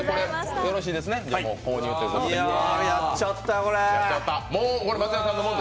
よろしいですね、購入ということで。